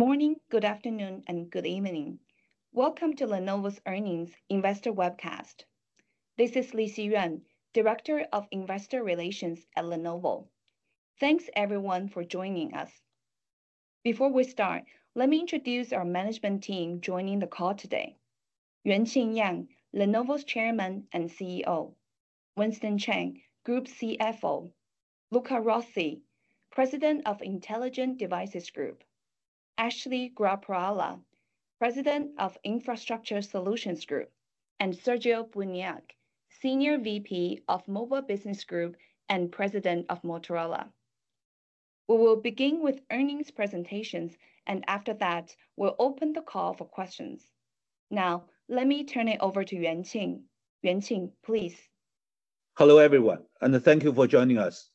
Good morning, good afternoon, and good evening. Welcome to Lenovo's Earnings Investor Webcast. This is Lixi Yuan, Director of Investor Relations at Lenovo. Thanks, everyone, for joining us. Before we start, let me introduce our management team joining the call today: Yuanqing Yang, Lenovo's Chairman and CEO, Winston Cheng, Group CFO, Luca Rossi, President of Intelligent Devices Group, Ashley Gorakhpurwalla, President of Infrastructure Solutions Group, and Sergio Buniac, Senior VP of Mobile Business Group and President of Motorola. We will begin with earnings presentations, and after that, we'll open the call for questions. Now, let me turn it over to Yuanqing. Yuanqing, please. Hello, everyone, and thank you for joining us.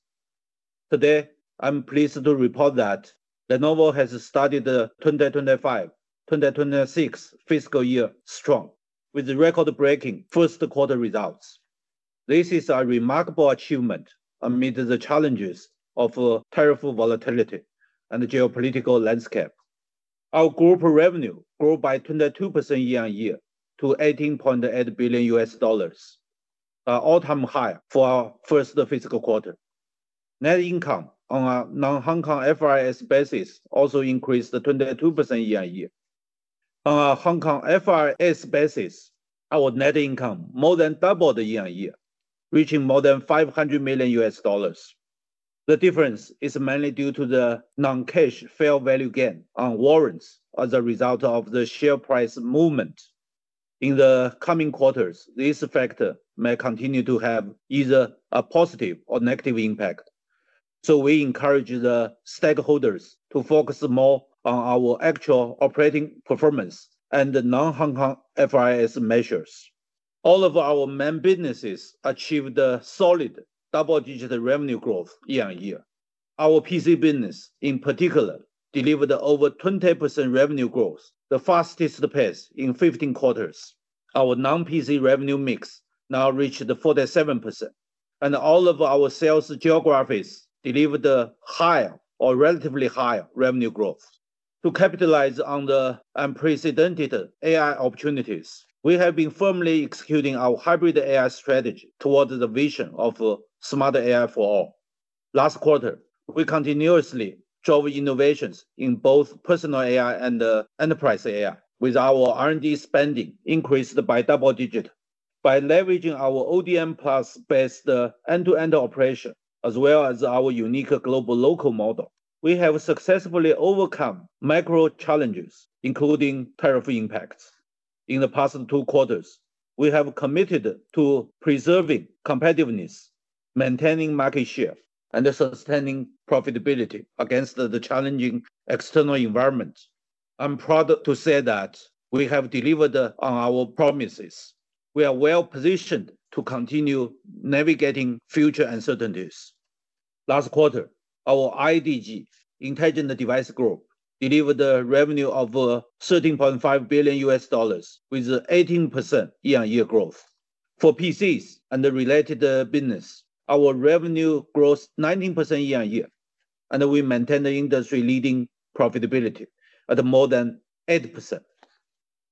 Today, I'm pleased to report that Lenovo has started the 2025-2026 fiscal year strong, with record-breaking Q1 results. This is a remarkable achievement amid the challenges of tariff volatility and the geopolitical landscape. Our Group revenue grew by 22% year-on-year to $18.8 billion, an all-time high for our first fiscal quarter. Net income on a non-Hong Kong FRS basis also increased 22% year-on-year. On a Hong Kong FRS basis, our net income more than doubled year-on-year, reaching more than $500 million. The difference is mainly due to the non-cash fair value gain on warrants as a result of the share price movement. In the coming quarters, this factor may continue to have either a positive or negative impact, so we encourage the stakeholders to focus more on our actual operating performance and non-Hong Kong FRS measures. All of our main businesses achieved solid double-digit revenue growth year-on-year. Our PC business, in particular, delivered over 20% revenue growth, the fastest pace in 15 quarters. Our non-PC revenue mix now reached 47%, and all of our sales geographies delivered high or relatively high revenue growth. To capitalize on the unprecedented AI opportunities, we have been firmly executing our hybrid AI strategy towards the vision of "Smart AI for All. Last quarter, we continuously drove innovations in both personal AI and enterprise AI, with our R&D spending increased by double digits. By leveraging our ODM+-based end-to-end operation, as well as our unique global-local model, we have successfully overcome macro challenges, including tariff impacts. In the past two quarters, we have committed to preserving competitiveness, maintaining market share, and sustaining profitability against the challenging external environment. I'm proud to say that we have delivered on our promises. We are well positioned to continue navigating future uncertainties. Last quarter, our IDG, Intelligent Devices Group, delivered revenue of $13.5 billion, with 18% year-on-year growth. For PCs and related business, our revenue grew 19% year-on-year, and we maintained industry-leading profitability at more than 8%.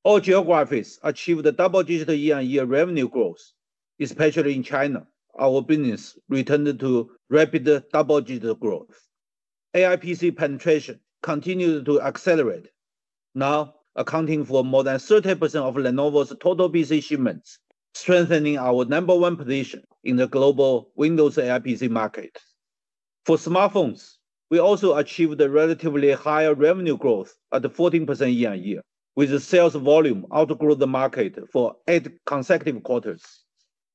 All geographies achieved double-digit year-on-year revenue growth. Especially in China, our business returned to rapid double-digit growth. AI PC penetration continued to accelerate, now accounting for more than 30% of Lenovo's total PC shipments, strengthening our No position in the global Windows AI PC market. For smartphones, we also achieved relatively high revenue growth at 14% year-on-year, with sales volume outgrowing the market for eight consecutive quarters.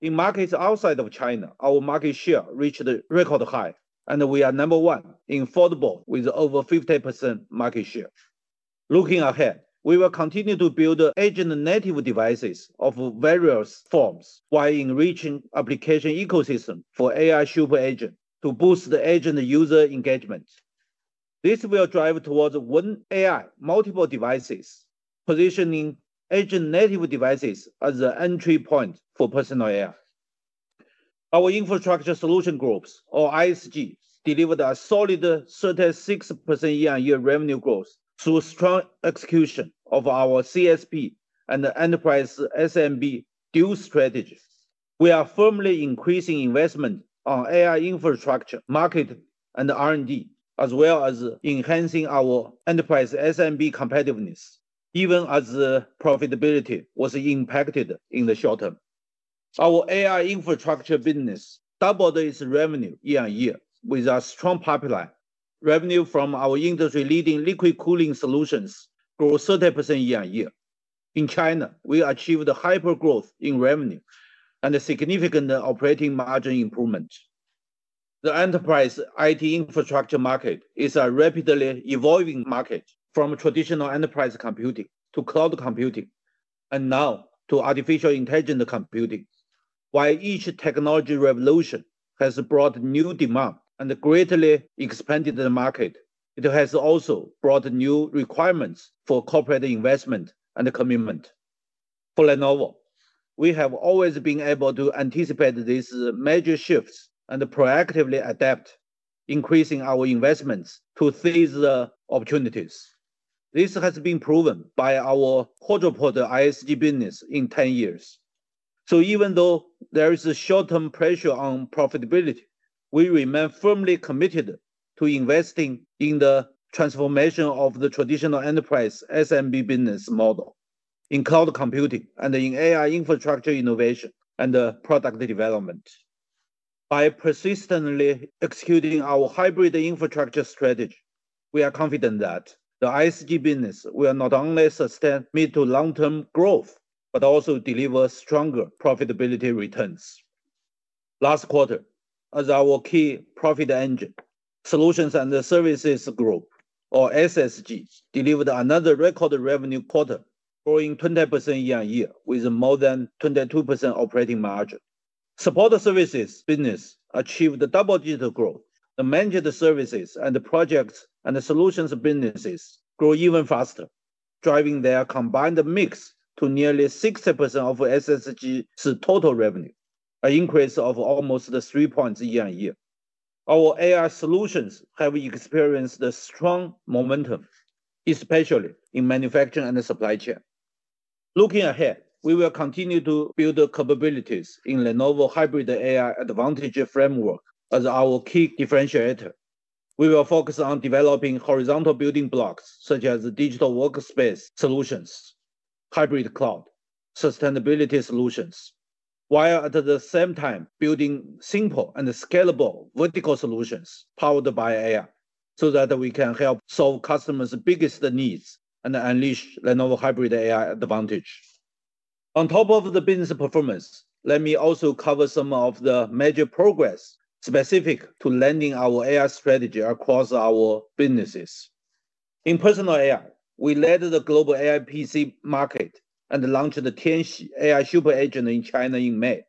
In markets outside of China, our market share reached a record high, and we are No. 1 in foldables, with over 50% market share. Looking ahead, we will continue to build agent-native devices of various forms while enriching the application ecosystem for AI super agents to boost agent-user engagement. This will drive towards one AI, multiple devices, positioning agent-native devices as the entry point for personal AI. Our Infrastructure Solutions Group, or ISG, delivered a solid 36% year-on-year revenue growth through strong execution of our CSP and enterprise SMB dual strategy. We are firmly increasing investment on AI infrastructure, market, and R&D, as well as enhancing our enterprise SMB competitiveness, even as profitability was impacted in the short term. Our AI infrastructure business doubled its revenue year-on-year, with a strong pipeline. Revenue from our industry-leading liquid cooling solutions grew 30% year-on-year. In China, we achieved hypergrowth in revenue and a significant operating margin improvement. The enterprise IT infrastructure market is a rapidly evolving market, from traditional enterprise computing to cloud computing, and now to artificial intelligence computing. While each technology revolution has brought new demand and greatly expanded the market, it has also brought new requirements for corporate investment and commitment. For Lenovo, we have always been able to anticipate these major shifts and proactively adapt, increasing our investments to seize opportunities. This has been proven by our quadrupled ISG business in 10 years. Even though there is short-term pressure on profitability, we remain firmly committed to investing in the transformation of the traditional enterprise SMB business model in cloud computing and in AI infrastructure innovation and product development. By persistently executing our hybrid infrastructure strategy, we are confident that the ISG business will not only sustain mid-to-long-term growth but also deliver stronger profitability returns. Last quarter, as our key profit engine, Solutions and Services Group, or SSG, delivered another record revenue quarter, growing 20% year-on-year with more than 22% operating margin. Support services business achieved double-digit growth. The managed services and projects and solutions businesses grew even faster, driving their combined mix to nearly 60% of SSG's total revenue, an increase of almost 3 points year-on-year. Our AI solutions have experienced strong momentum, especially in manufacturing and supply chain. Looking ahead, we will continue to build capabilities in the Lenovo Hybrid AI Advantage framework as our key differentiator. We will focus on developing horizontal building blocks, such as digital workplace solutions, hybrid cloud, sustainability solutions, while at the same time building simple and scalable vertical solutions powered by AI, so that we can help solve customers' biggest needs and unleash Lenovo Hybrid AI Advantage. On top of the business performance, let me also cover some of the major progress specific to landing our AI strategy across our businesses. In personal AI, we led the global AI-powered PCs market and launched the TianQi AI super agent in China in May.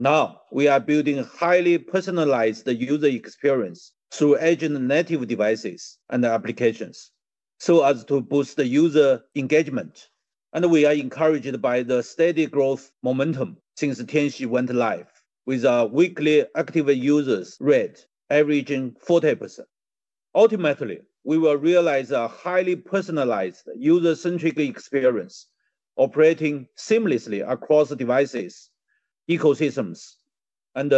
Now, we are building highly personalized user experience through agent-native devices and applications, so as to boost user engagement. We are encouraged by the steady growth momentum since TianQi went live, with our weekly active users rate averaging 40%. Ultimately, we will realize a highly personalized, user-centric experience operating seamlessly across devices, ecosystems, and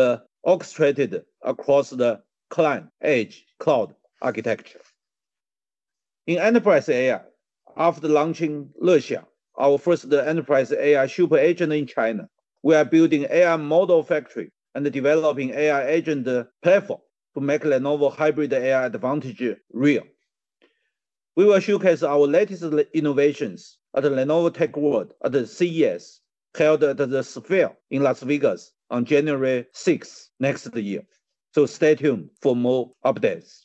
orchestrated across the client edge cloud architecture. In enterprise AI, after launching Lexia, our first enterprise AI super agent in China, we are building AI model factory and developing AI agent platform to make Lenovo Hybrid AI Advantage real. We will showcase our latest innovations at the Lenovo Tech World at CES, held at the SFIL in Las Vegas on January 6, 2025. Stay tuned for more updates.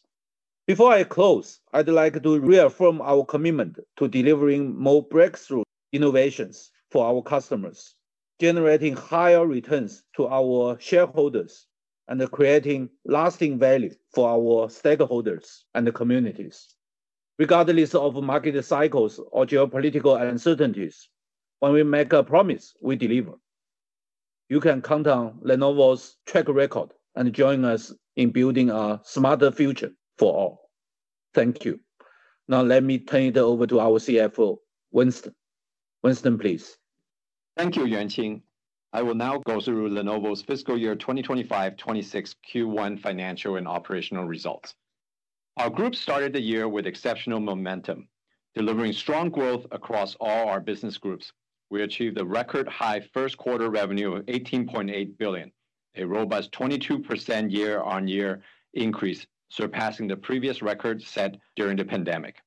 Before I close, I'd like to reaffirm our commitment to delivering more breakthrough innovations for our customers, generating higher returns to our shareholders, and creating lasting value for our stakeholders and communities. Regardless of market cycles or geopolitical uncertainties, when we make a promise, we deliver. You can count on Lenovo's track record and join us in building a smarter future for all. Thank you. Now, let me turn it over to our CFO, Winston. Winston, please. Thank you, Yuanqing. I will now go through Lenovo's Fiscal Year 2025-2026 Q1 Financial and Operational Results. Our Group started the year with exceptional momentum, delivering strong growth across all our business groups. We achieved a record-high Q1 revenue of $18.8 billion, a robust 22% year-on-year increase, surpassing the previous record set during the pandemic.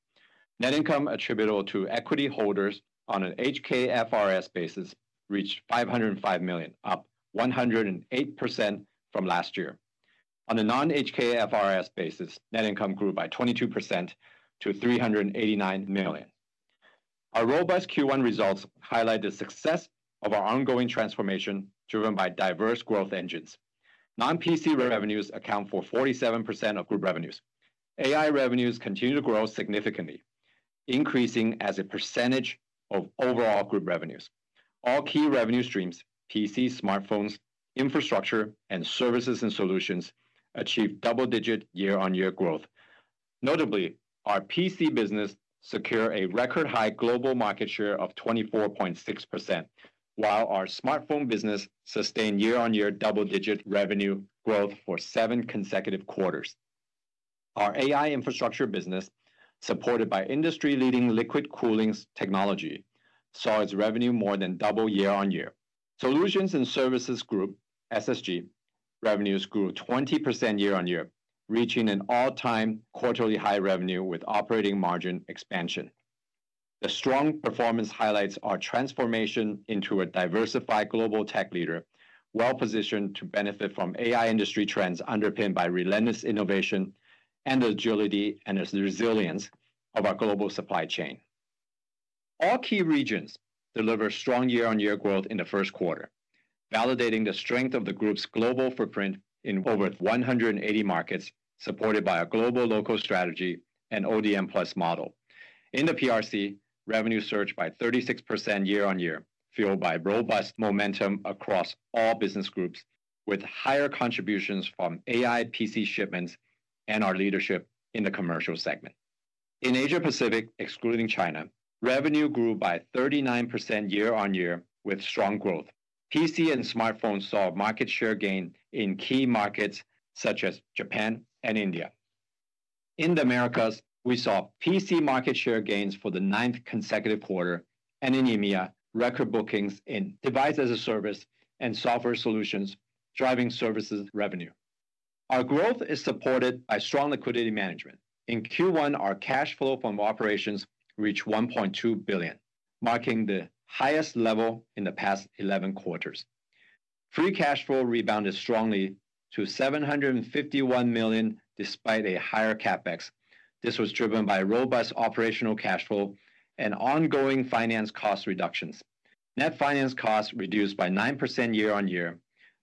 Net income attributable to equity holders on an HKFRS basis reached $505 million, up 108% from last year. On a non-HKFRS basis, net income grew by 22% to $389 million. Our robust Q1 results highlight the success of our ongoing transformation driven by diverse growth engines. Non-PC revenues account for 47% of Group revenues. AI revenues continue to grow significantly, increasing as a percentage of overall Group revenues. All key revenue streams—PC, smartphones, infrastructure, and services and solutions—achieved double-digit year-on-year growth. Notably, our PC business secured a record-high global market share of 24.6%, while our smartphone business sustained year-on-year double-digit revenue growth for seven consecutive quarters. Our AI infrastructure business, supported by industry-leading liquid cooling technology, saw its revenue more than double year-on-year. Solutions and Services Group, SSG, revenues grew 20% year-on-year, reaching an all-time quarterly high revenue with operating margin expansion. The strong performance highlights our transformation into a diversified global tech leader, well-positioned to benefit from AI industry trends underpinned by relentless innovation, agility, and the resilience of our global supply chain. All key regions delivered strong year-on-year growth in the first quarter, validating the strength of the Group's global footprint in over 180 markets, supported by a global-local strategy and ODM+ model. In the PRC, revenue surged by 36% year-on-year, fueled by robust momentum across all business groups, with higher contributions from AI PC shipments and our leadership in the commercial segment. In Asia-Pacific, excluding China, revenue grew by 39% year-on-year with strong growth. PC and smartphones saw market share gain in key markets such as Japan and India. In the Americas, we saw PC market share gains for the ninth consecutive quarter, and in EMEA, record bookings in Device-as-a-Service and Software Solutions, driving services revenue. Our growth is supported by strong liquidity management. In Q1, our cash flow from operations reached $1.2 billion, marking the highest level in the past 11 quarters. Free cash flow rebounded strongly to $751 million despite a higher CapEx. This was driven by robust operational cash flow and ongoing finance cost reductions. Net finance costs reduced by 9% year-on-year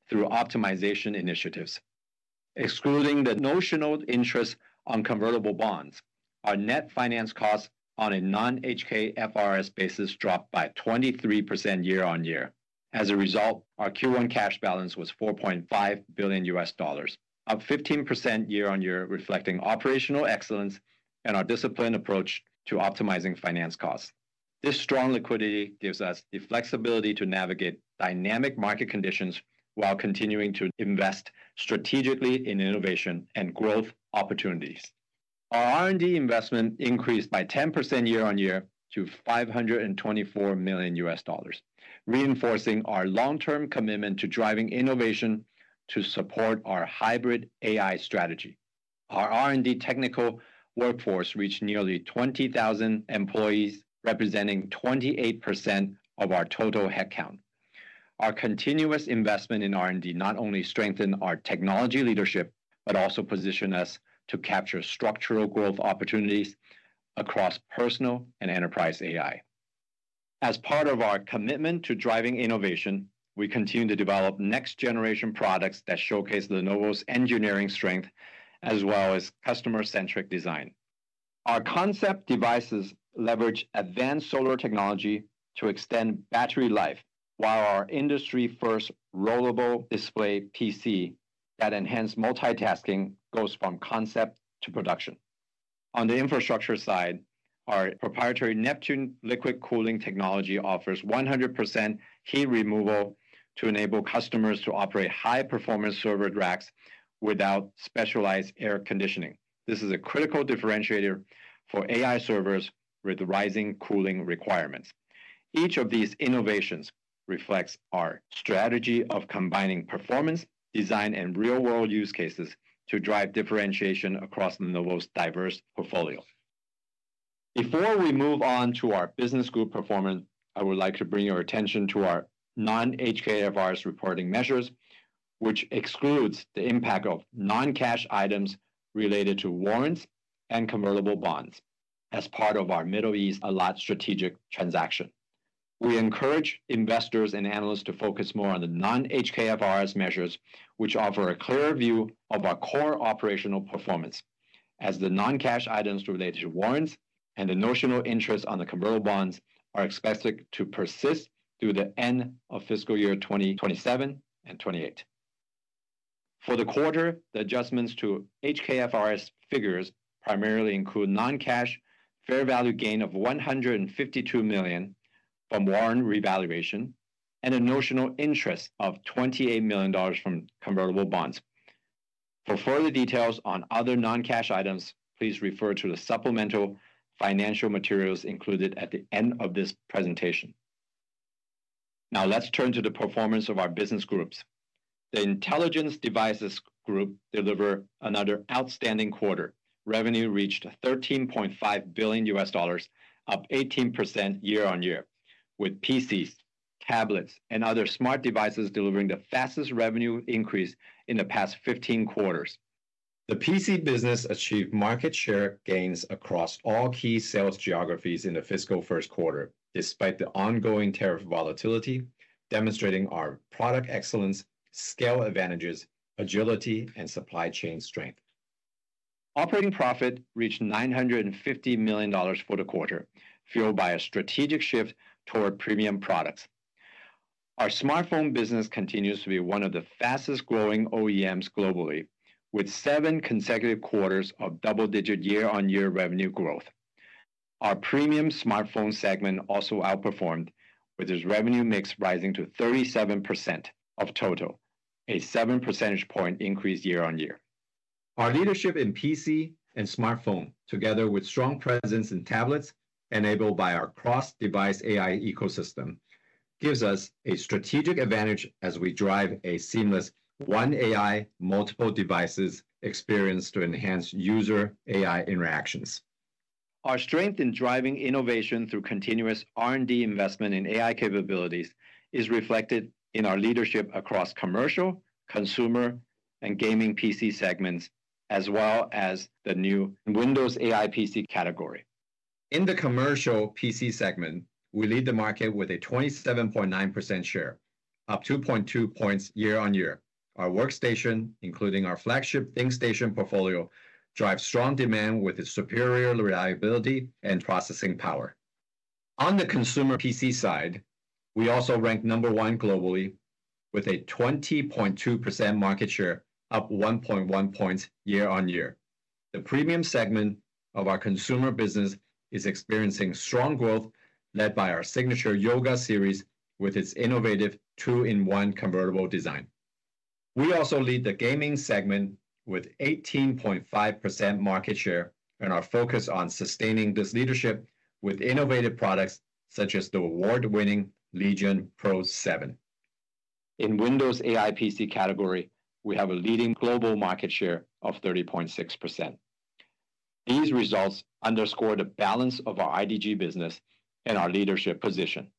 through optimization initiatives. Excluding the notional interest on convertible bonds, our net finance costs on a non-HKFRS basis dropped by 23% year-on-year. As a result, our Q1 cash balance was $4.5 billion, up 15% year-on-year, reflecting operational excellence and our disciplined approach to optimizing finance costs. This strong liquidity gives us the flexibility to navigate dynamic market conditions while continuing to invest strategically in innovation and growth opportunities. Our R&D investment increased by 10% year-on-year to $524 million, reinforcing our long-term commitment to driving innovation to support our hybrid AI strategy. Our R&D technical workforce reached nearly 20,000 employees, representing 28% of our total headcount. Our continuous investment in R&D not only strengthened our technology leadership but also positioned us to capture structural growth opportunities across personal and enterprise AI. As part of our commitment to driving innovation, we continue to develop next-generation products that showcase Lenovo's engineering strength, as well as customer-centric design. Our concept devices leverage advanced solar technology to extend battery life, while our industry-first rollable display PC that enhances multitasking goes from concept to production. On the infrastructure side, our proprietary Neptune liquid cooling technology offers 100% heat removal to enable customers to operate high-performance server racks without specialized air conditioning. This is a critical differentiator for AI servers with rising cooling requirements. Each of these innovations reflects our strategy of combining performance, design, and real-world use cases to drive differentiation across Lenovo's diverse portfolios. Before we move on to our business group performance, I would like to bring your attention to our non-HKFRS reporting measures, which exclude the impact of non-cash items related to warrants and convertible bonds as part of our Middle East Allied Strategic Transaction. We encourage investors and analysts to focus more on the non-HKFRS measures, which offer a clearer view of our core operational performance, as the non-cash items related to warrants and the notional interest on the convertible bonds are expected to persist through the end of fiscal year 2027 and 2028. For the quarter, the adjustments to HKFRS figures primarily include non-cash fair value gain of $152 million from warrant revaluation and a notional interest of $28 million from convertible bonds. For further details on other non-cash items, please refer to the supplemental financial materials included at the end of this presentation. Now, let's turn to the performance of our business groups. The Intelligent Devices Group delivered another outstanding quarter. Revenue reached $13.5 billion, up 18% year-on-year, with PCs, tablets, and other smart devices delivering the fastest revenue increase in the past 15 quarters. The PC business achieved market share gains across all key sales geographies in the fiscal first quarter, despite the ongoing tariff volatility, demonstrating our product excellence, scale advantages, agility, and supply chain strength. Operating profit reached $950 million for the quarter, fueled by a strategic shift toward premium products. Our smartphone business continues to be one of the fastest-growing OEMs globally, with seven consecutive quarters of double-digit year-on-year revenue growth. Our premium smartphone segment also outperformed, with its revenue mix rising to 37% of total, a 7% point increase year-on-year. Our leadership in PC and smartphone, together with strong presence in tablets enabled by our cross-device AI ecosystem, gives us a strategic advantage as we drive a seamless one AI, multiple devices experience to enhance user AI interactions. Our strength in driving innovation through continuous R&D investment in AI capabilities is reflected in our leadership across commercial, consumer, and gaming PC segments, as well as the new Windows AI PC category. In the commercial PC segment, we lead the market with a 27.9% share, up 2.2 points year-on-year. Our workstation, including our flagship ThinkStation portfolio, drives strong demand with its superior reliability and processing power. On the consumer PC side, we also ranked No. 1 globally, with a 20.2% market share, up 1.1 points year-on-year. The premium segment of our consumer business is experiencing strong growth, led by our signature Yoga series with its innovative 2-in-1 convertible design. We also lead the gaming segment with 18.5% market share, and our focus on sustaining this leadership with innovative products such as the award-winning Legion Pro 7. In the Windows AI PC category, we have a leading global market share of 30.6%. These results underscore the balance of our IDG business and our leadership position.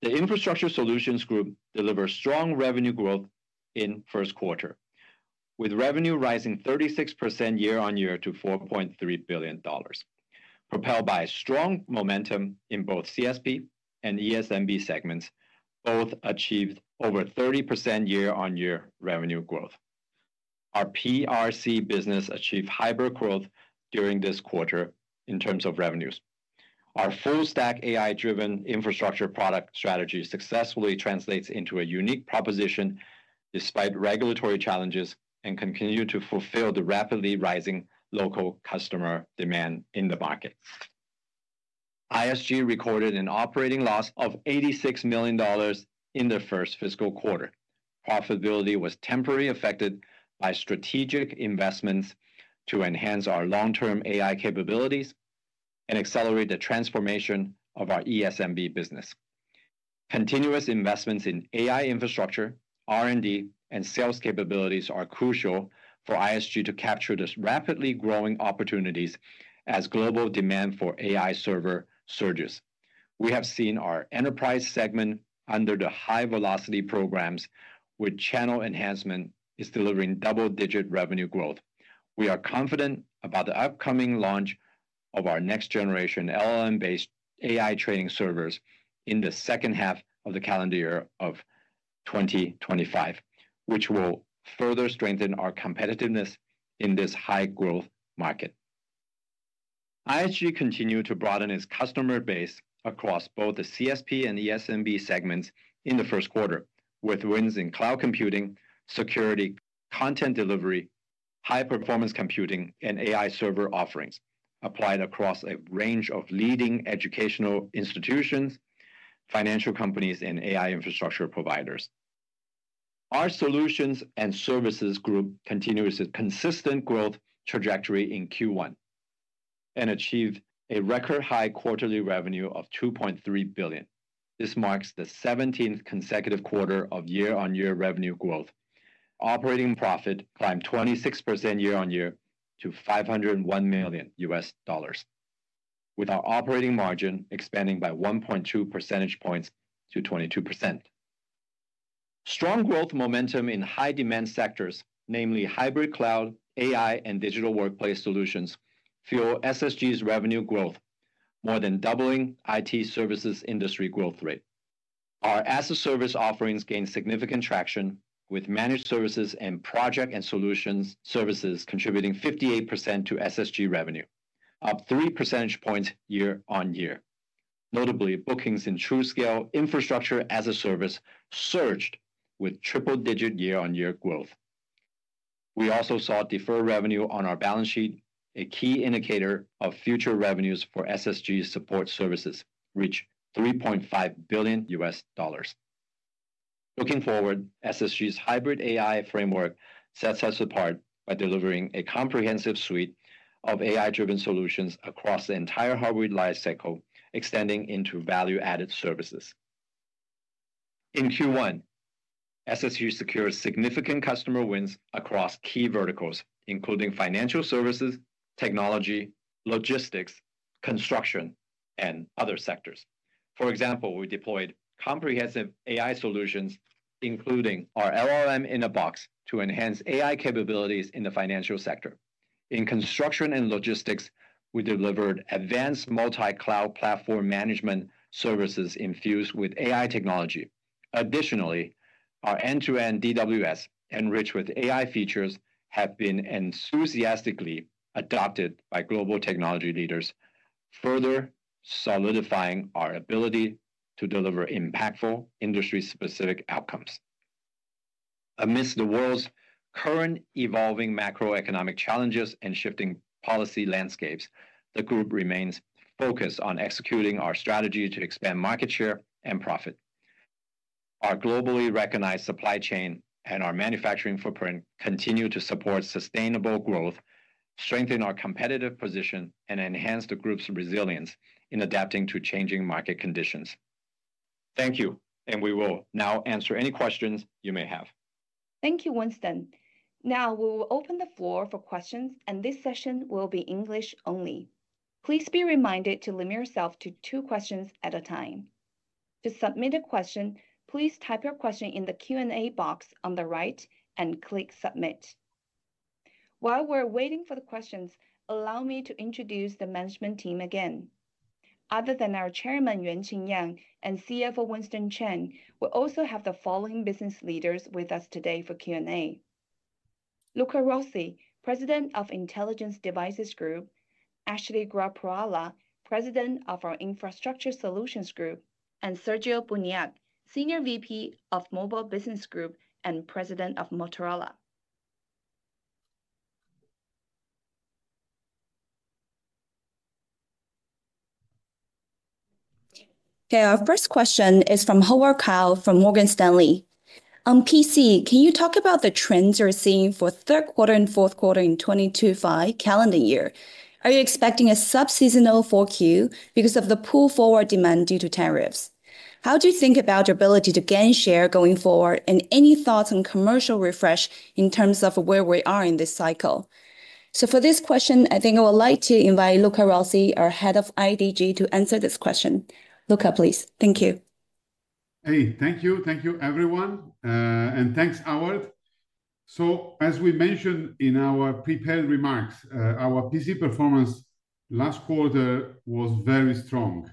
The Infrastructure Solutions Group delivered strong revenue growth in the first quarter, with revenue rising 36% year-on-year to $4.3 billion. Propelled by a strong momentum in both CSP and ESMB segments, both achieved over 30% year-on-year revenue growth. Our PRC business achieved hypergrowth during this quarter in terms of revenues. Our full-stack AI-driven infrastructure product strategy successfully translates into a unique proposition despite regulatory challenges and continues to fulfill the rapidly rising local customer demand in the markets. ISG recorded an operating loss of $86 million in the first fiscal quarter. Profitability was temporarily affected by strategic investments to enhance our long-term AI capabilities and accelerate the transformation of our ESMB business. Continuous investments in AI infrastructure, R&D, and sales capabilities are crucial for ISG to capture these rapidly growing opportunities as global demand for AI server surges. We have seen our enterprise segment under the high-velocity programs, with channel enhancement delivering double-digit revenue growth. We are confident about the upcoming launch of our next-generation LLM-based AI training servers in the second half of the calendar year of 2025, which will further strengthen our competitiveness in this high-growth market. ISG continued to broaden its customer base across both the CSP and ESMB segments in the first quarter, with wins in cloud computing, security, content delivery, high-performance computing, and AI server offerings applied across a range of leading educational institutions, financial companies, and AI infrastructure providers. Our Solutions and Services Group continues its consistent growth trajectory in Q1 and achieved a record-high quarterly revenue of $2.3 billion. This marks the 17th consecutive quarter of year-on-year revenue growth. Operating profit climbed 26% year-on-year to $501 million, with our operating margin expanding by 1.2 percentage points to 22%. Strong growth momentum in high-demand sectors, namely hybrid cloud, AI, and digital workplace solutions, fueled SSG's revenue growth, more than doubling the IT services industry growth rate. Our as-a-service offerings gained significant traction, with managed services and project and solutions services contributing 58% to SSG revenue, up 3 percentage points year-on-year. Notably, bookings in TruScale Infrastructure-as-a-Service surged, with triple-digit year-on-year growth. We also saw deferred revenue on our balance sheet, a key indicator of future revenues for SSG's support services, reaching $3.5 billion. Looking forward, SSG's hybrid AI framework sets us apart by delivering a comprehensive suite of AI-driven solutions across the entire hybrid life cycle, extending into value-added services. In Q1, SSG secured significant customer wins across key verticals, including financial services, technology, logistics, construction, and other sectors. For example, we deployed comprehensive AI solutions, including our LLM-in-a-box, to enhance AI capabilities in the financial sector. In construction and logistics, we delivered advanced multi-cloud platform management services infused with AI technology. Additionally, our end-to-end digital workplace solutions, enriched with AI features, has been enthusiastically adopted by global technology leaders, further solidifying our ability to deliver impactful industry-specific outcomes. Amidst the world's current evolving macroeconomic challenges and shifting policy landscapes, the Group remains focused on executing our strategy to expand market share and profit. Our globally recognized supply chain and our manufacturing footprint continue to support sustainable growth, strengthen our competitive position, and enhance the Group's resilience in adapting to changing market conditions. Thank you, and we will now answer any questions you may have. Thank you, Winston. Now, we will open the floor for questions, and this session will be English only. Please be reminded to limit yourself to two questions at a time. To submit a question, please type your question in the Q&A box on the right and click "Submit." While we're waiting for the questions, allow me to introduce the management team again. Other than our Chairman Yuanqing Yang and CFO Winston Cheng, we also have the following business leaders with us today for Q&A: Luca Rossi, President of Intelligent Devices Group, Ashley Gorakhpurwalla, President of our Infrastructure Solutions Group, and Sergio Buniac, Senior Vice President of Mobile Business Group and President of Motorola. Okay, our first question is from Howard Kyle from Morgan Stanley. On PC, can you talk about the trends you're seeing for Q3 and Q4 in 2025 calendar year? Are you expecting a sub-seasonal Q4 because of the pull forward demand due to tariffs? How do you think about your ability to gain share going forward, and any thoughts on commercial refresh in terms of where we are in this cycle? For this question, I think I would like to invite Luca Rossi, our Head of IDG, to answer this question. Luca, please. Thank you. Hey, thank you. Thank you, everyone, and thanks, Howard. As we mentioned in our prepared remarks, our PC performance last quarter was very strong,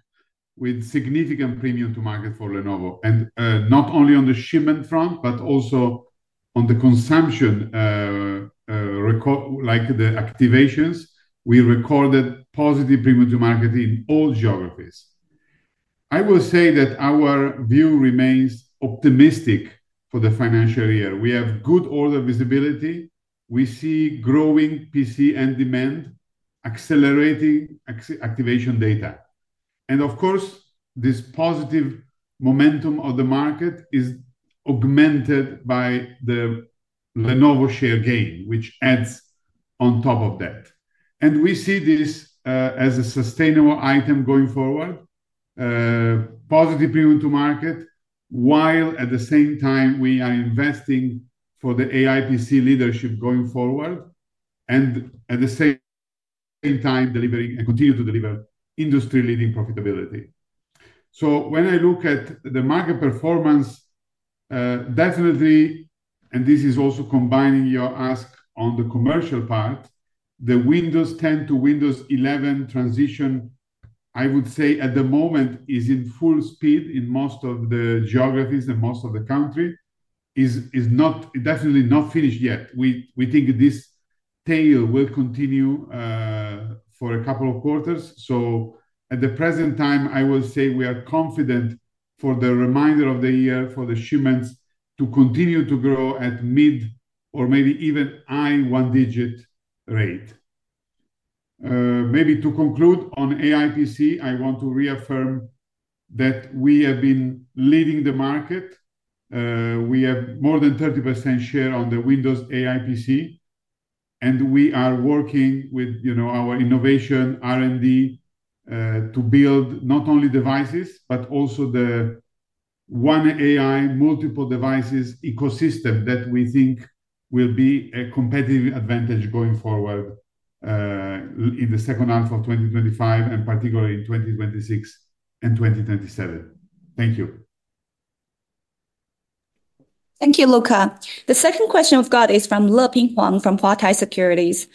with significant premium to market for Lenovo, and not only on the shipment front but also on the consumption, like the activations. We recorded positive premium to market in all geographies. I will say that our view remains optimistic for the financial year. We have good order visibility. We see growing PC end demand, accelerating activation data, and of course, this positive momentum of the market is augmented by the Lenovo share gain, which adds on top of that. We see this as a sustainable item going forward, positive premium to market, while at the same time we are investing for the AI PC leadership going forward, and at the same time delivering and continue to deliver industry-leading profitability. When I look at the market performance, definitely, and this is also combining your ask on the commercial part, the Windows 10 to Windows 11 transition, I would say at the moment is in full speed in most of the geographies and most of the countries. It's definitely not finished yet. We think this tail will continue for a couple of quarters. At the present time, I will say we are confident for the remainder of the year for the shipments to continue to grow at mid or maybe even high one-digit rate. Maybe to conclude on AI PC, I want to reaffirm that we have been leading the market. We have more than 30% share on the Windows AI PC, and we are working with our innovation R&D to build not only devices but also the one AI multiple devices ecosystem that we think will be a competitive advantage going forward in the second half of 2025 and particularly in 2026 and 2027. Thank you. Thank you, Luca. The second question we've got is from Leping Huang from Huatai Securities.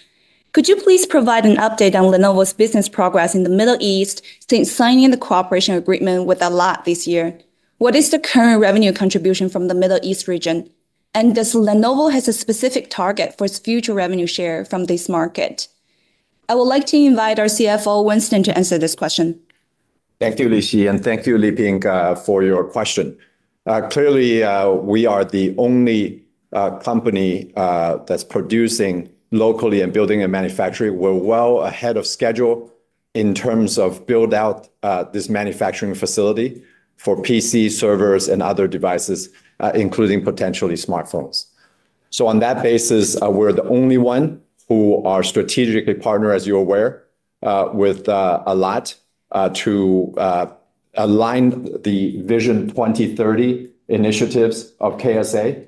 Could you please provide an update on Lenovo's business progress in the Middle East since signing the cooperation agreement with Allied this year? What is the current revenue contribution from the Middle East region, and does Lenovo have a specific target for its future revenue share from this market? I would like to invite our CFO, Winston, to answer this question. Thank you, Lixi, and thank you, Leing, for your question. Clearly, we are the only company that's producing locally and building a manufacturing. We're well ahead of schedule in terms of building out this manufacturing facility for PC servers and other devices, including potentially smartphones. On that basis, we're the only one who is strategically partnered, as you're aware, with Allied to align the Vision 2030 initiatives of KSA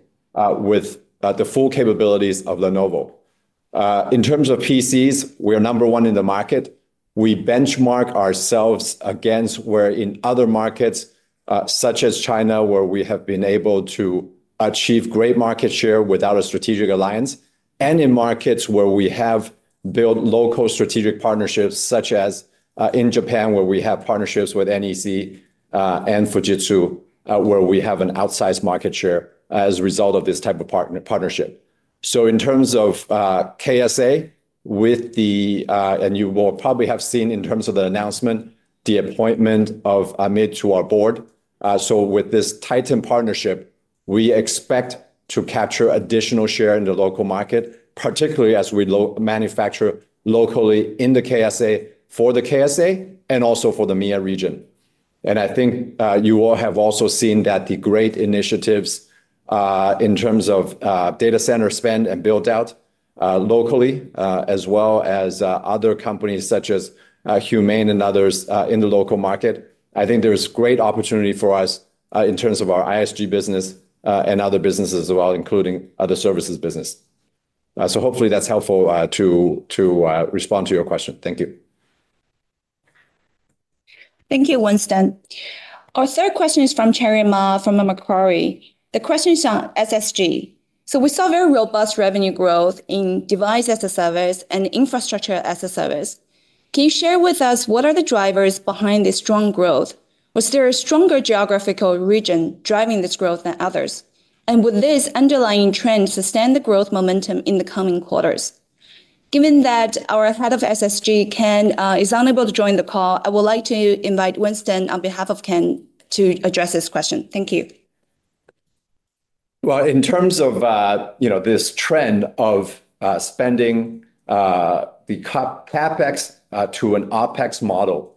with the full capabilities of Lenovo. In terms of PCs, we are No. 1 in the market. We benchmark ourselves against where in other markets, such as China, where we have been able to achieve great market share without a strategic alliance, and in markets where we have built local strategic partnerships, such as in Japan, where we have partnerships with NEC and Fujitsu, where we have an outsized market share as a result of this type of partnership. In terms of KSA, and you will probably have seen in terms of the announcement, the appointment of Amit to our board. With this tightened partnership, we expect to capture additional share in the local market, particularly as we manufacture locally in the KSA for the KSA and also for the MENA region. I think you all have also seen that the great initiatives in terms of data center spend and build out locally, as well as other companies such as Humane and others in the local market. I think there's great opportunity for us in terms of our ISG business and other businesses as well, including the services business. Hopefully, that's helpful to respond to your question. Thank you. Thank you, Winston. Our third question is from Cherry Ma from Macquarie. The question is on SSG. We saw very robust revenue growth in Device-as-a-Service and Infrastructure-as-a-Service. Can you share with us what are the drivers behind this strong growth? Was there a stronger geographical region driving this growth than others? Will this underlying trend sustain the growth momentum in the coming quarters? Given that our Head of SSG, Ken, is unable to join the call, I would like to invite Winston on behalf of Ken to address this question. Thank you. In terms of this trend of spending the CapEx to an OpEx model,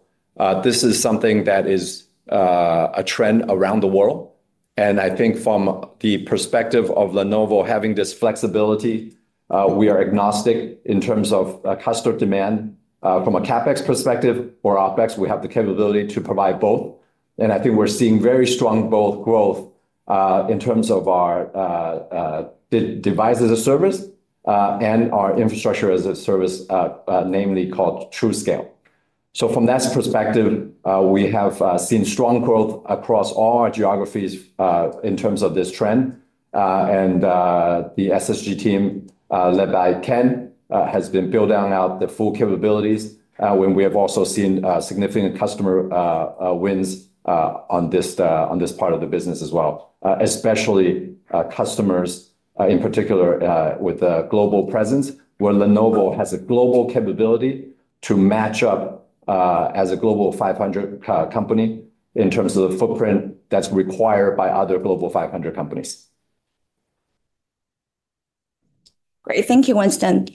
this is something that is a trend around the world. I think from the perspective of Lenovo having this flexibility, we are agnostic in terms of customer demand from a CapEx perspective or OpEx. We have the capability to provide both, and I think we're seeing very strong growth in terms of our Device-as-a-Service and our Infrastructure-as-a-Service, namely called TruScale. From that perspective, we have seen strong growth across all our geographies in terms of this trend, and the SSG team led by Ken has been building out the full capabilities when we have also seen significant customer wins on this part of the business as well, especially customers in particular with a global presence where Lenovo has a global capability to match up as a global 500 company in terms of the footprint that's required by other global 500 companies. Great. Thank you, Winston.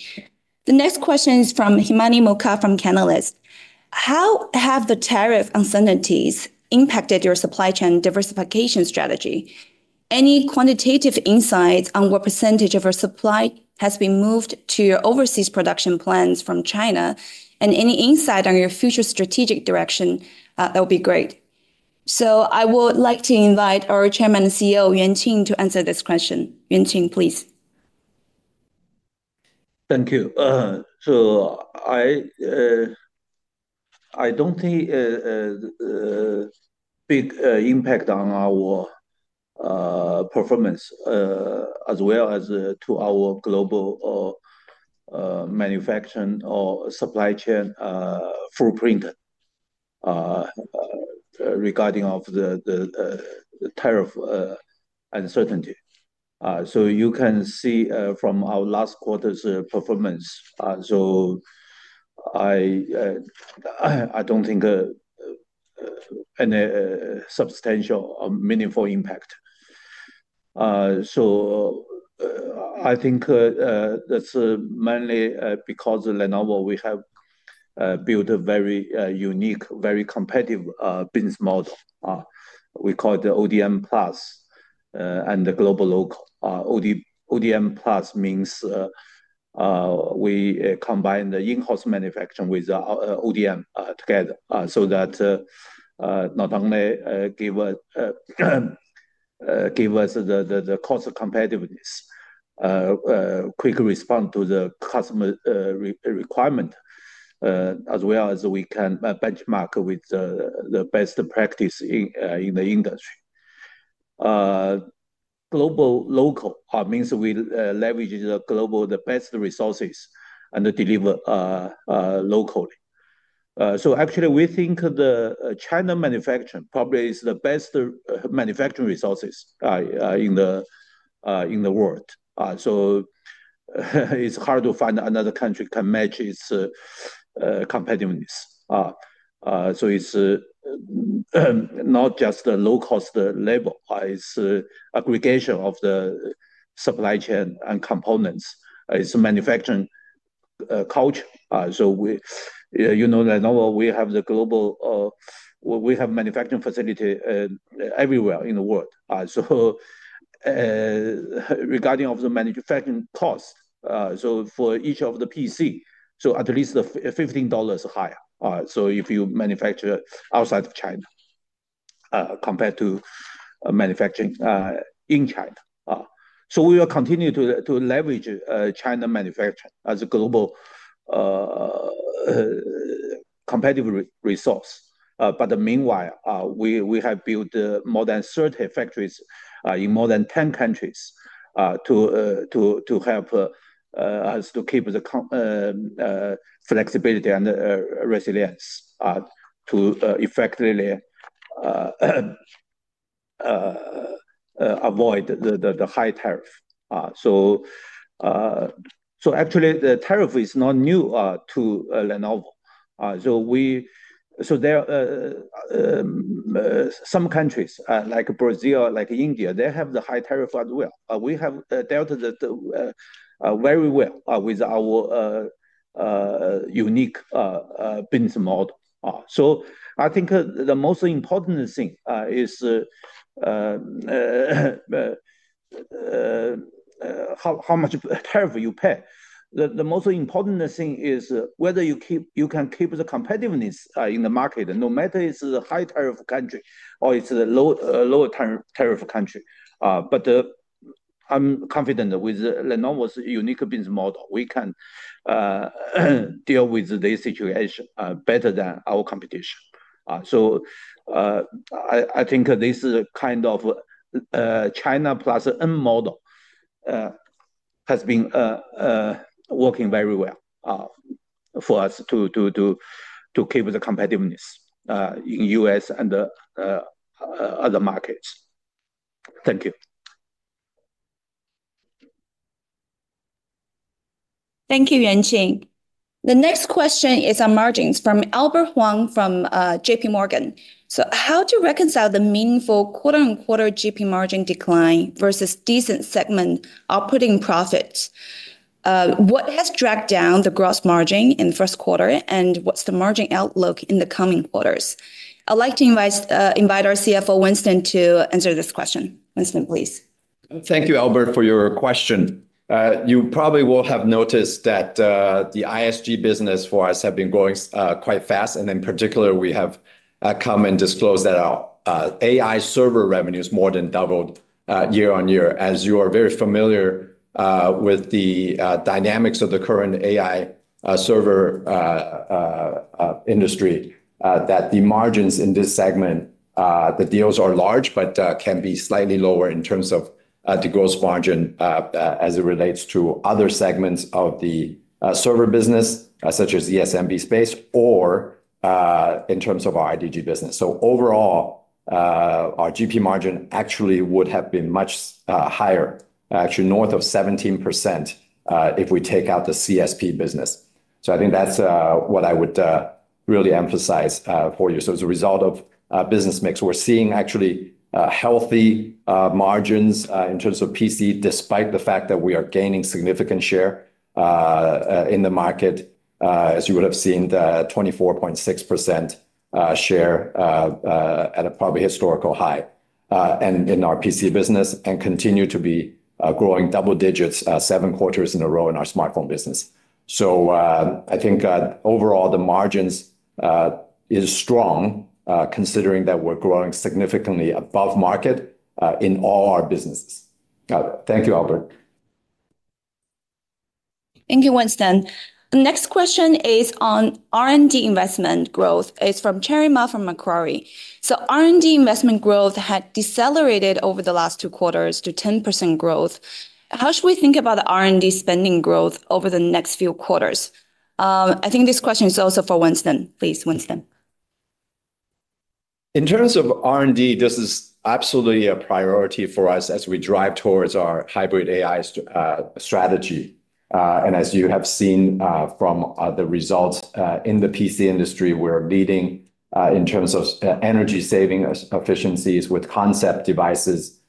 The next question is from Himani Mukka from Canalys. How have the tariff uncertainties impacted your supply chain diversification strategy? Any quantitative insights on what percentage of your supply has been moved to your overseas production plans from China, and any insight on your future strategic direction? That would be great. I would like to invite our Chairman and CEO Yuanqing to answer this question. Yuanqing, please. Thank you. I don't think a big impact on our performance as well as to our global manufacturing or supply chain footprint regarding the tariff uncertainty. You can see from our last quarter's performance. I don't think a substantial or meaningful impact. I think that's mainly because Lenovo, we have built a very unique, very competitive business model. We call it the ODM+ and the global local. ODM+ means we combine the in-house manufacturing with ODM together so that not only gives us the cost competitiveness, quick response to the customer requirement, as well as we can benchmark with the best practice in the industry. Global local means we leverage the global best resources and deliver locally. Actually, we think the China manufacturing probably is the best manufacturing resources in the world. It's hard to find another country that can match its competitiveness. It's not just the low-cost level, it's the aggregation of the supply chain and components. It's a manufacturing culture. You know Lenovo, we have the global manufacturing facility everywhere in the world. Regarding the manufacturing cost, for each of the PC, at least the $15 higher if you manufacture outside of China compared to manufacturing in China. We will continue to leverage China manufacturing as a global competitive resource. Meanwhile, we have built more than 30 factories in more than 10 countries to help us to keep the flexibility and resilience to effectively avoid the high tariff. Actually, the tariff is not new to Lenovo. Some countries like Brazil, like India, they have the high tariff as well. We have dealt very well with our unique business model. I think the most important thing is how much tariff you pay. The most important thing is whether you can keep the competitiveness in the market, no matter it's a high tariff country or it's a low tariff country. I'm confident with Lenovo's unique business model, we can deal with this situation better than our competition. I think this kind of China plus M model has been working very well for us to keep the competitiveness in the U.S. and other markets. Thank you. Thank you, Yuanqing. The next question is on margins from Albert Huang from JPMorgan. How do you reconcile the meaningful quarter-on-quarter GP margin decline versus decent segment operating profits? What has dragged down the gross margin in the first quarter, and what's the margin outlook in the coming quarters? I'd like to invite our CFO, Winston, to answer this question. Winston, please. Thank you, Albert, for your question. You probably will have noticed that the ISG business for us has been growing quite fast, and in particular, we have come and disclosed that our AI server revenue has more than doubled year-on-year. As you are very familiar with the dynamics of the current AI server industry, the margins in this segment, the deals are large but can be slightly lower in terms of the gross margin as it relates to other segments of the server business, such as the ESMB space, or in terms of our IDG business. Overall, our GP margin actually would have been much higher, actually north of 17% if we take out the CSP business. I think that's what I would really emphasize for you. As a result of business mix, we're seeing actually healthy margins in terms of PC despite the fact that we are gaining significant share in the market, as you would have seen, 24.6% share at a probably historical high in our PC business and continue to be growing double digits seven quarters in a row in our smartphone business. I think overall the margins are strong, considering that we're growing significantly above market in all our businesses. Got it. Thank you, Albert. Thank you, Winston. The next question is on R&D investment growth. It's from Cherry Ma from Macquarie. R&D investment growth had decelerated over the last two quarters to 10% growth. How should we think about R&D spending growth over the next few quarters? I think this question is also for Winston. Please, Winston. In terms of R&D, this is absolutely a priority for us as we drive towards our hybrid AI strategy. As you have seen from the results in the PC industry, we're leading in terms of energy saving efficiencies with concept devices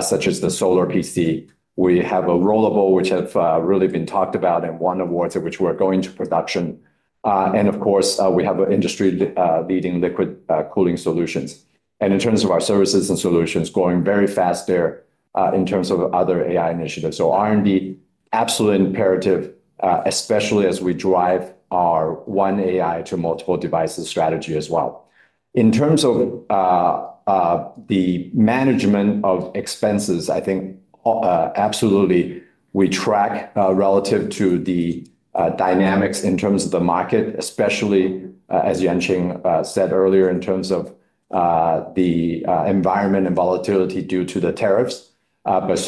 such as the solar PC. We have a rollable which has really been talked about and won awards, which we're going to production. Of course, we have industry-leading liquid cooling solutions. In terms of our services and solutions, growing very fast there in terms of other AI initiatives. R&D is absolutely imperative, especially as we drive our one AI to multiple devices strategy as well. In terms of the management of expenses, I think absolutely we track relative to the dynamics in terms of the market, especially, as Yuanqing said earlier, in terms of the environment and volatility due to the tariffs.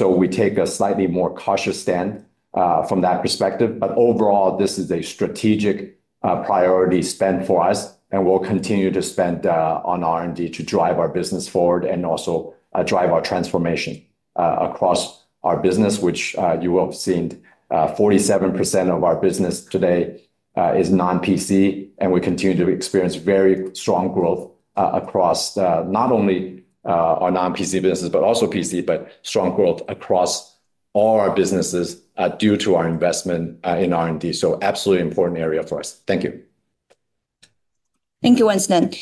We take a slightly more cautious stand from that perspective. Overall, this is a strategic priority spend for us, and we'll continue to spend on R&D to drive our business forward and also drive our transformation across our business, which you will have seen 47% of our business today is non-PC, and we continue to experience very strong growth across not only our non-PC businesses but also PC, but strong growth across all our businesses due to our investment in R&D. Absolutely an important area for us. Thank you. Thank you, Winston.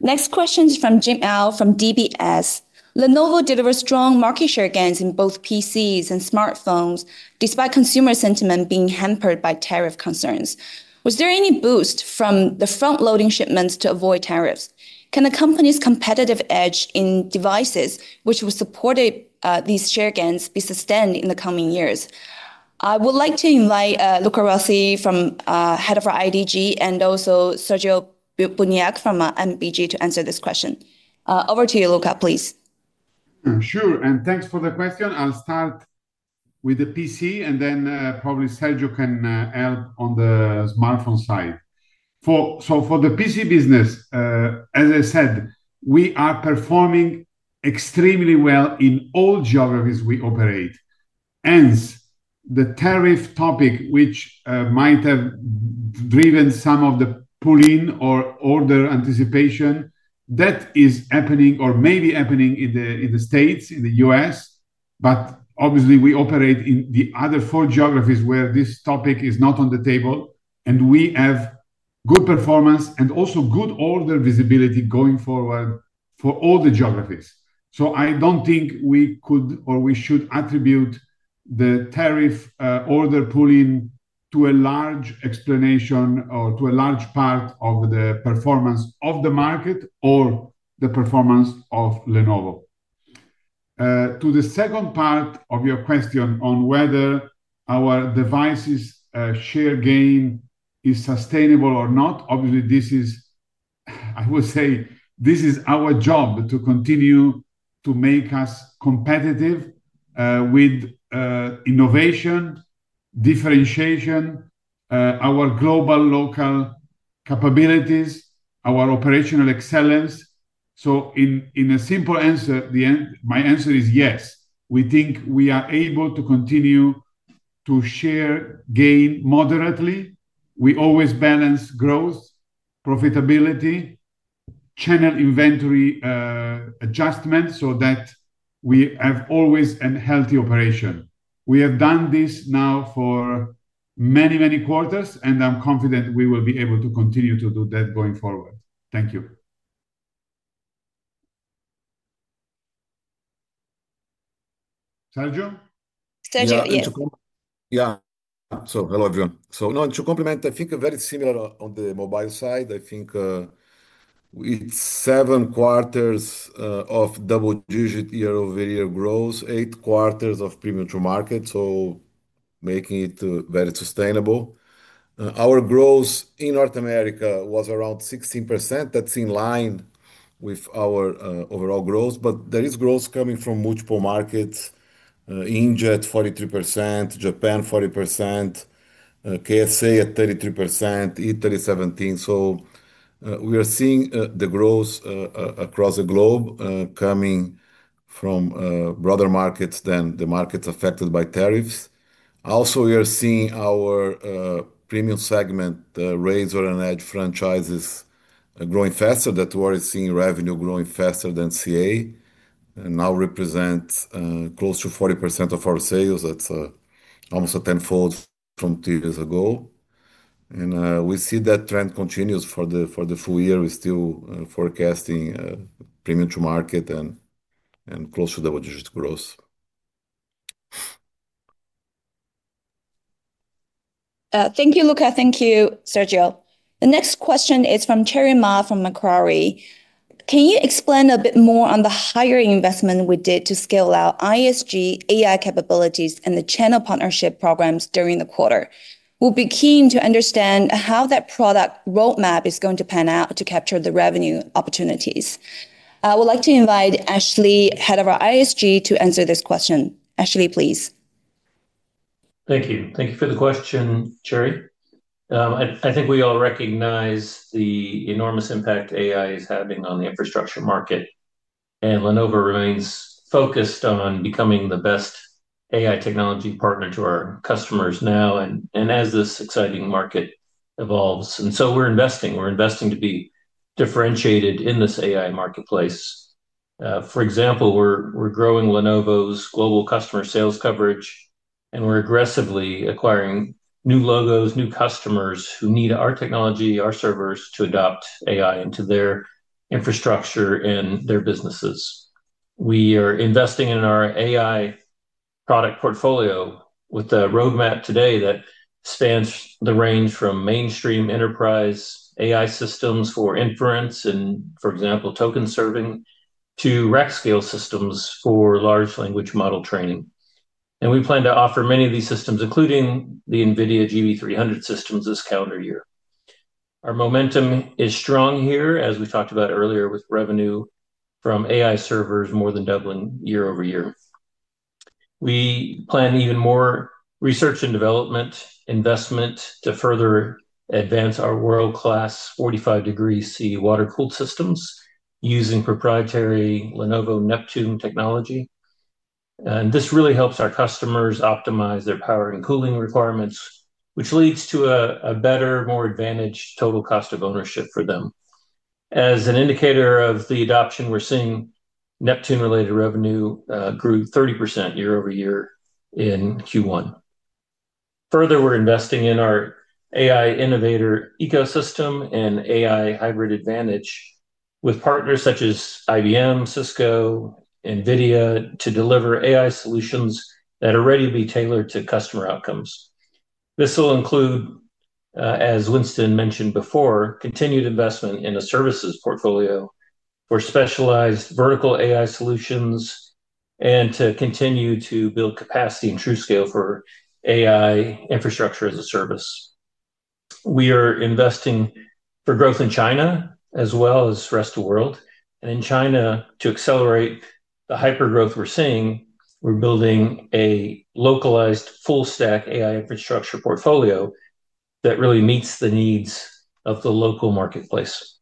Next question is from Jim Au from DBS. Lenovo delivers strong market share gains in both PCs and smartphones despite consumer sentiment being hampered by tariff concerns. Was there any boost from the front-loading shipments to avoid tariffs? Can the company's competitive edge in devices which will support these share gains be sustained in the coming years? I would like to invite Luca Rossi from Head of our IDG and also Sergio Buniac from MBG to answer this question. Over to you, Luca, please. Sure, and thanks for the question. I'll start with the PC, and then probably Sergio can help on the smartphone side. For the PC business, as I said, we are performing extremely well in all geographies we operate. Hence, the tariff topic, which might have driven some of the pull-in or order anticipation, that is happening or may be happening in the States, in the U.S., but obviously we operate in the other four geographies where this topic is not on the table, and we have good performance and also good order visibility going forward for all the geographies. I don't think we could or we should attribute the tariff order pull-in to a large explanation or to a large part of the performance of the market or the performance of Lenovo. To the second part of your question on whether our devices' share gain is sustainable or not, obviously this is, I would say, this is our job to continue to make us competitive with innovation, differentiation, our global local capabilities, our operational excellence. In a simple answer, my answer is yes. We think we are able to continue to share gain moderately. We always balance growth, profitability, channel inventory adjustments so that we have always a healthy operation. We have done this now for many, many quarters, and I'm confident we will be able to continue to do that going forward. Thank you. Sergio? Sergio, yeah. I want to comment. Yeah. Hello, Jim. To complement, I think very similar on the mobile side. I think with seven quarters of double-digit year-over-year growth, eight quarters of premium to market, making it very sustainable. Our growth in North America was around 16%. That's in line with our overall growth, but there is growth coming from multiple markets. India at 43%, Japan 40%, KSA at 33%, Italy 17%. We are seeing the growth across the globe coming from broader markets than the markets affected by tariffs. Also, we are seeing our premium segment, Razr and Edge franchises, growing faster. That's why we're seeing revenue growing faster than CA, and now represents close to 40% of our sales. That's almost a tenfold from two years ago. We see that trend continues for the full year. We're still forecasting premium to market and close to double-digit growth. Thank you, Luca. Thank you, Sergio. The next question is from Cherry Ma from Macquarie. Can you explain a bit more on the hiring investment we did to scale out ISG AI capabilities and the channel partnership programs during the quarter? We'll be keen to understand how that product roadmap is going to pan out to capture the revenue opportunities. I would like to invite Ashley, Head of our ISG, to answer this question. Ashley, please. Thank you. Thank you for the question, Cherry. I think we all recognize the enormous impact AI is having on the infrastructure market, and Lenovo remains focused on becoming the best AI technology partner to our customers now and as this exciting market evolves. We're investing to be differentiated in this AI marketplace. For example, we're growing Lenovo's global customer sales coverage, and we're aggressively acquiring new logos, new customers who need our technology, our servers to adopt AI into their infrastructure and their businesses. We are investing in our AI product portfolio with a roadmap today that spans the range from mainstream enterprise AI systems for inference and, for example, token serving to rack scale systems for large language model training. We plan to offer many of these systems, including the NVIDIA GB300 systems, this calendar year. Our momentum is strong here, as we talked about earlier, with revenue from AI servers more than doubling year-over-year. We plan even more research and development investment to further advance our world-class 45 degrees water-cooled systems using proprietary Lenovo Neptune technology. This really helps our customers optimize their power and cooling requirements, which leads to a better, more advantaged total cost of ownership for them. As an indicator of the adoption we're seeing, Neptune-related revenue grew 30% year-over-year in Q1. Further, we're investing in our AI innovator ecosystem and AI hybrid advantage with partners such as IBM, Cisco, NVIDIA to deliver AI solutions that are ready to be tailored to customer outcomes. This will include, as Winston mentioned before, continued investment in a services portfolio for specialized vertical AI solutions and to continue to build capacity in TruScale for AI infrastructure as a service. We are investing for growth in China as well as the rest of the world. In China, to accelerate the hypergrowth we're seeing, we're building a localized full-stack AI infrastructure portfolio that really meets the needs of the local marketplace.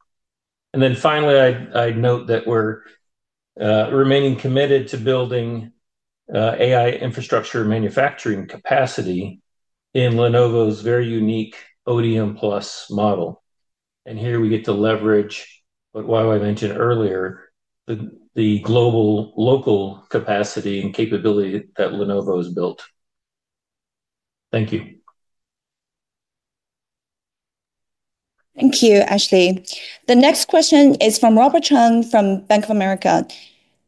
Finally, I'd note that we're remaining committed to building AI infrastructure manufacturing capacity in Lenovo's very unique ODM+ model. Here we get to leverage what Wai Ming Wong mentioned earlier, the global local capacity and capability that Lenovo has built. Thank you. Thank you, Ashley. The next question is from Robert Chung from Bank of America.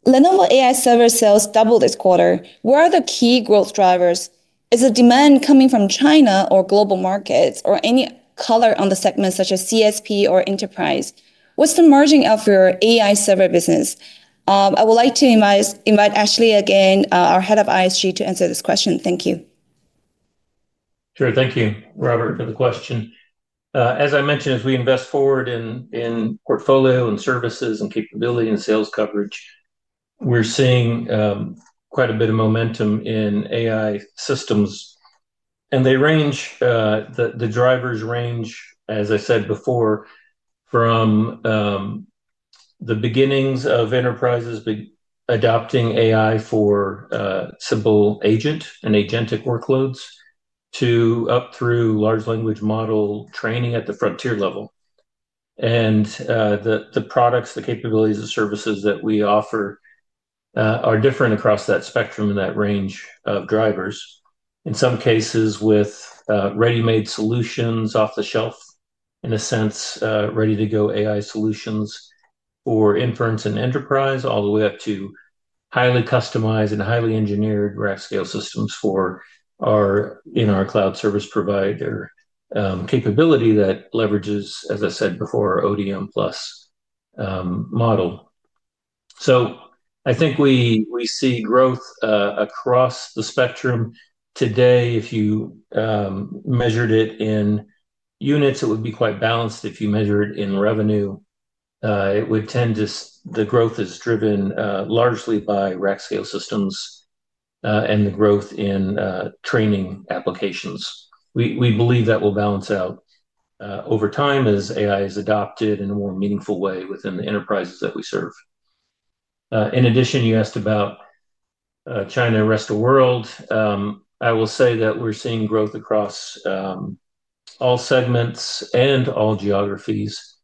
Lenovo AI server sales doubled this quarter. What are the key growth drivers? Is the demand coming from China or global markets, or any color on the segment such as CSP or enterprise? What's the margin of your AI server business? I would like to invite Ashley again, our Head of ISG, to answer this question. Thank you. Sure. Thank you, Robert, for the question. As I mentioned, as we invest forward in portfolio and services and capability and sales coverage, we're seeing quite a bit of momentum in AI systems. They range, the drivers range, as I said before, from the beginnings of enterprises adopting AI for simple agent and agentic workloads up through large language model training at the frontier level. The products, the capabilities, the services that we offer are different across that spectrum and that range of drivers. In some cases, with ready-made solutions off the shelf, in a sense, ready-to-go AI solutions for inference and enterprise, all the way up to highly customized and highly engineered rack scale systems in our cloud service provider capability that leverages, as I said before, our ODM+ model. I think we see growth across the spectrum. Today, if you measured it in units, it would be quite balanced. If you measure it in revenue, the growth is driven largely by rack scale systems and the growth in training applications. We believe that will balance out over time as AI is adopted in a more meaningful way within the enterprises that we serve. In addition, you asked about China and the rest of the world. I will say that we're seeing growth across all segments and all geographies.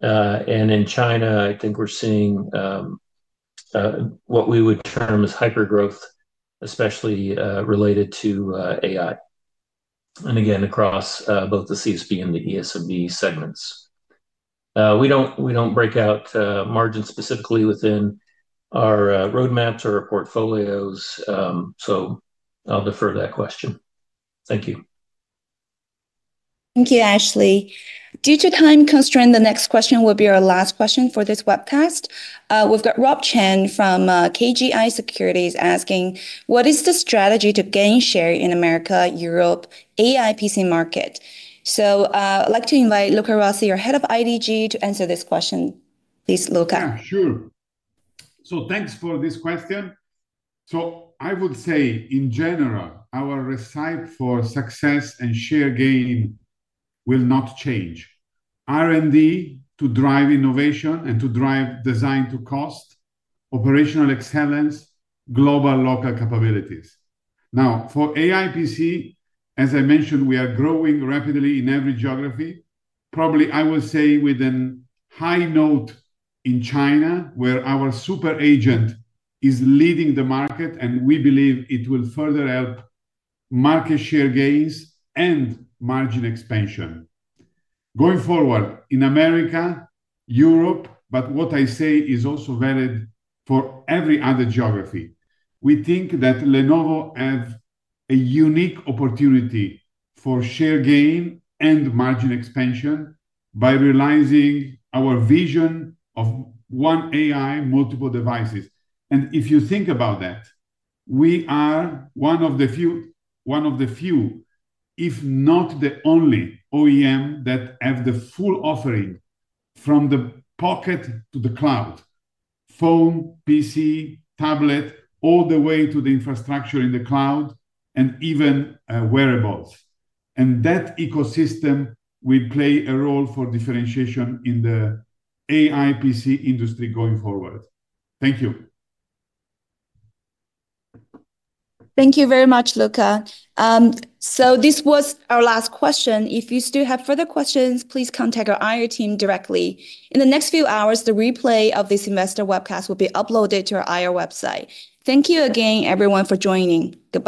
In China, I think we're seeing what we would term as hypergrowth, especially related to AI, and again across both the CSP and the ESMB segments. We don't break out margins specifically within our roadmaps or our portfolios, so I'll defer to that question. Thank you. Thank you, Ashley. Due to time constraints, the next question will be our last question for this webcast. We've got Rob Chen from KGI Securities. What is the strategy to gain share in America/Europe AI PC market? I'd like to invite Luca Rossi, our Head of IDG, to answer this question. Please, Luca. Yeah, sure. Thanks for this question. I would say in general, our recipe for success and share gain will not change. R&D to drive innovation and to drive design to cost, operational excellence, global local capabilities. Now, for AI PC, as I mentioned, we are growing rapidly in every geography. I will say with a high note in China, where our super agent is leading the market, and we believe it will further help market share gains and margin expansion. Going forward in America, Europe, what I say is also valid for every other geography. We think that Lenovo has a unique opportunity for share gain and margin expansion by realizing our vision of one AI, multiple devices. If you think about that, we are one of the few, if not the only OEM that has the full offering from the pocket to the cloud, phone, PC, tablet, all the way to the infrastructure in the cloud and even wearables. That ecosystem will play a role for differentiation in the AI PC industry going forward. Thank you. Thank you very much, Luca. This was our last question. If you still have further questions, please contact our IR team directly. In the next few hours, the replay of this investor webcast will be uploaded to our IR website. Thank you again, everyone, for joining. Goodbye.